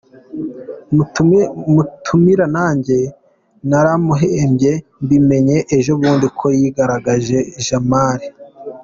Mutumira nanjye naramuhembye, mbimenye ejobundi ko yiganaga Jamal.